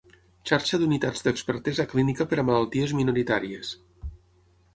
Xarxa d'unitats d'expertesa clínica per a malalties minoritàries.